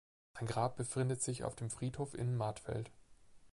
Sein Grab befindet sich auf dem Friedhof in Martfeld.